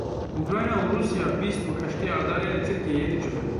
Ukrayna û Rûsya bîst û heştê Adarê li Tirkiyeyê dicivin.